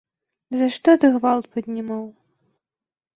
За што ты гвалт паднімаў?